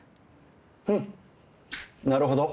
うんなるほど。